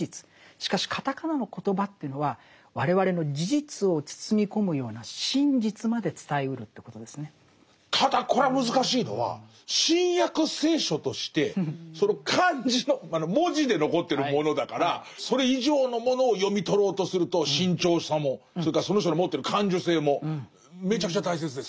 しかしカタカナのコトバというのはただこれは難しいのは「新約聖書」としてその漢字の文字で残ってるものだからそれ以上のものを読み取ろうとすると慎重さもそれからその人の持ってる感受性もめちゃくちゃ大切ですね。